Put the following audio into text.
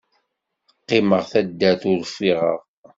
Qqimeɣ taddart ul ffiɣeɣ.